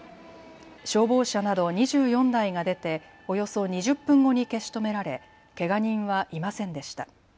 消防車など２４台が出ておよそ２０分後に消し止められけが人はいませんでした。